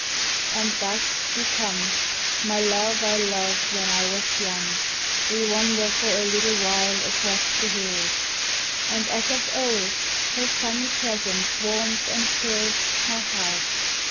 And thus she comes, my Love I loved when I was young! We wander for a little while across the hills, And, as of old, her sunny presence warms and fills My heart.